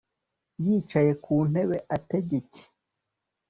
yicare ku ntebe ategeke